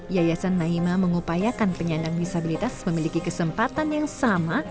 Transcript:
yayasan naima mengupayakan penyandang disabilitas memiliki kesempatan yang sama